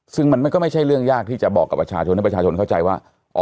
ซึ่งมันก็ไม่ใช่เรื่องยากที่จะบอกกับประชาชนให้ประชาชนเข้าใจว่า